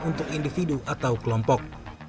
untuk individu atau kelompok